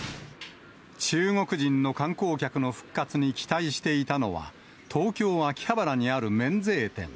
中国人の観光客の復活に期待していたのは、東京・秋葉原にある免税店。